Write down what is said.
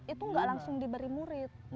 itu nggak langsung diberi murid